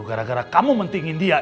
gara gara kamu pentingin dia